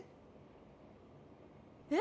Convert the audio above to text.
え？